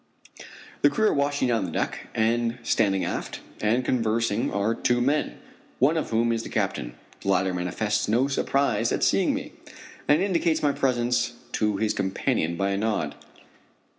The crew are washing down the deck, and standing aft and conversing are two men, one of whom is the captain. The latter manifests no surprise at seeing me, and indicates my presence to his companion by a nod.